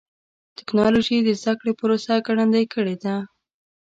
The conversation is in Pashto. ټکنالوجي د زدهکړې پروسه ګړندۍ کړې ده.